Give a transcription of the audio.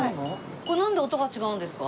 これなんで音が違うんですか？